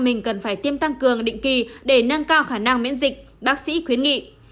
mình cần phải tiêm tăng cường định kỳ để nâng cao khả năng miễn dịch bác sĩ khuyến nghị